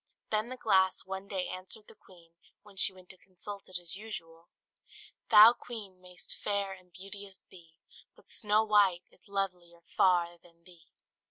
Then the glass one day answered the queen, when she went to consult it as usual: "Thou, Queen, may'st fair and beauteous be, But Snow White is lovelier far than thee!"